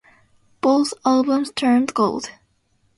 Both albums turned gold.